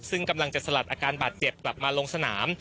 ซึ่งกำลังจะสลัดอาการบาดเจ็บกลับมาลงสนาม